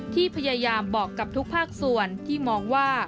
ที่พยายามบอกกับทุกภาคส่วนที่มองว่า